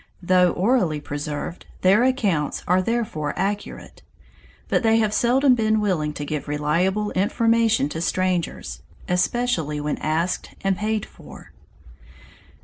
Though orally preserved, their accounts are therefore accurate. But they have seldom been willing to give reliable information to strangers, especially when asked and paid for.